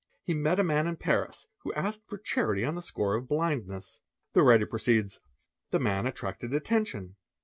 He met a man in Paris who asked for charity on the score of blindness. The writer proceeds; ' 'The man. attracted attention.